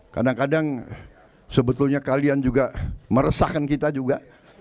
kadang kadang sebetulnya kalian juga meresahkan kita juga